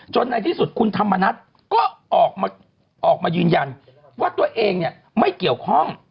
ในที่สุดคุณธรรมนัฐก็ออกมายืนยันว่าตัวเองไม่เกี่ยวข้อง